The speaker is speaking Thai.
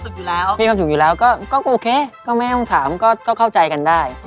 อยู่แล้วมีความสุขอยู่แล้วก็โอเคก็ไม่ต้องถามก็เข้าใจกันได้